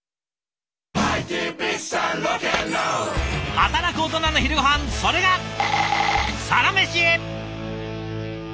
働くオトナの昼ごはんそれが「サラメシ」。